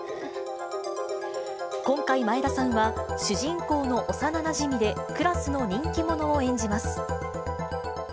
今回、眞栄田さんは主人公の幼なじみで、クラスの人気者を演じます。